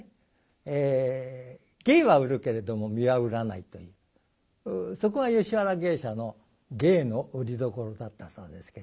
芸は売るけれども身は売らないというそこは吉原芸者の芸の売りどころだったそうですけど。